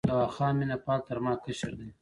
دوا خان مینه پال تر ما کشر دی.